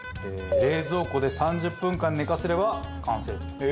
冷蔵庫で３０分間寝かせれば完成と。